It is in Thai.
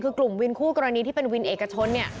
คือกลุ่มวินคู่กรณีที่เป็นวินเอกชนเนี่ย